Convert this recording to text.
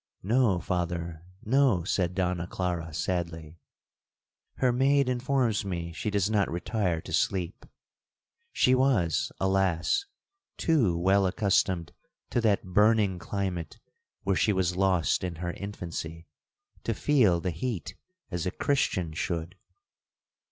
'No, Father, no!' said Donna Clara sadly; 'her maid informs me she does not retire to sleep. She was, alas! too well accustomed to that burning climate where she was lost in her infancy, to feel the heat as a Christian should.